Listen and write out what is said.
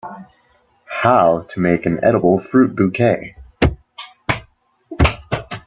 How to make an edible fruit bouquet.